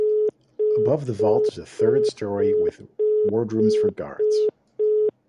Above the vault is a third story with wardrooms for guards.